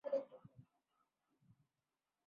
কিন্তু তুমি তোমার নিজ জাতি হতে মুখ ফিরিয়ে নিয়েছো।